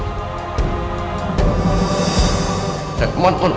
saya mohon untuk